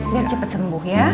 biar cepat sembuh ya